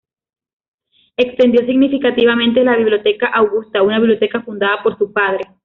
Extendió significativamente la "Biblioteca Augusta", una biblioteca fundada por su padre.